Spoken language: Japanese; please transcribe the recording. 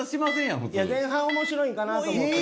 前半面白いんかなと思って。